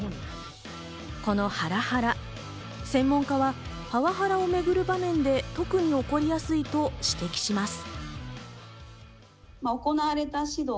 このハラハラ、専門家はパワハラをめぐる場面で特に起こりやすいと指摘します。